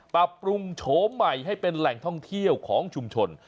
ปรับปรุงโฉมใหม่ให้เป็นแหล่งท่องเที่ยวของชุมชน